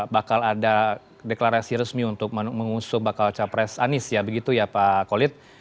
bakal ada deklarasi resmi untuk mengusung bakal capres anies ya begitu ya pak kolit